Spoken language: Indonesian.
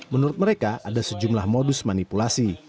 menurut mereka ada sejumlah modus manipulasi